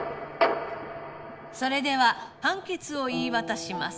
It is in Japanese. それでは判決を言い渡します。